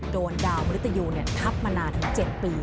โดนดาวมริตยูทับมานานถึง๗ปี